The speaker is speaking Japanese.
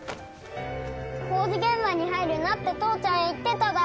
工事現場に入るなって父ちゃん言ってただろ